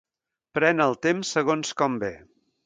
Pren el temps segons com ve.